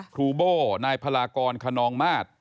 ครูโบ้นายพลากรคนนองมาตร